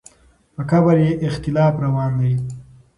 په قبر یې اختلاف روان دی.